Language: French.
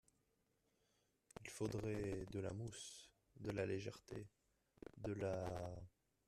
Il faudrait, de la mousse… de la légèreté… de la…